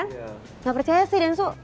nggak percaya sih densu